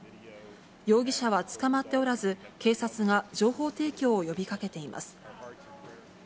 容疑者は捕まっておらず、警察が情報提供を呼びかけています。